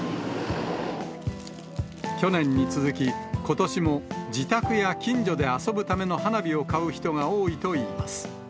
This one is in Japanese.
去年に続き、ことしも自宅や近所で遊ぶための花火を買う人が多いといいます。